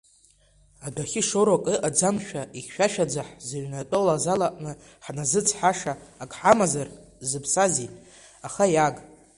Адәахьы шоурак ыҟаӡамшәа ихьшәашәаӡа ҳзыҩнатәоу азал аҟны ҳназыцҳаша ак ҳамазар зыԥсази, аха иааг!